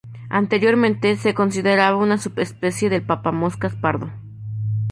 Anteriormente se consideraba una subespecie del papamoscas pardo.